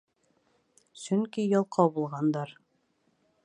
Сөнки ялҡау булғандар.